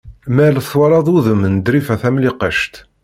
Mer twalaḍ udem n Ḍrifa Tamlikect.